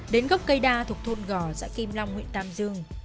đến góc cây đa thuộc thôn gò dạng kim long huyện tam dương